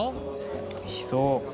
おいしそう。